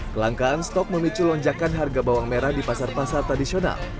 kelangkaan stok memicu lonjakan harga bawang merah di pasar pasar tradisional